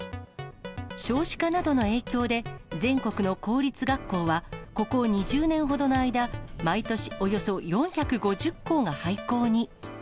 少子化などの影響で、全国の公立学校は、ここ２０年ほどの間、毎年、およそ４５０校が廃校に。